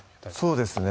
そうですね